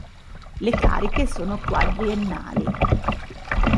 Le cariche sono quadriennali.